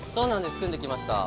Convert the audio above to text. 選んできました。